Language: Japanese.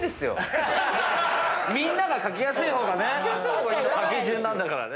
みんなが書きやすい方がね書き順なんだからね。